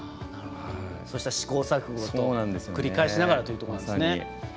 そうした試行錯誤を繰り返しながらということなんですね。